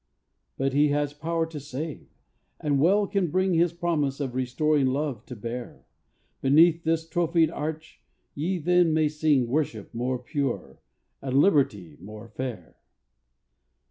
But he has power to save, and well can bring His promise of restoring love to bear: Beneath this trophied arch, ye then may sing Worship more pure, and liberty more fair.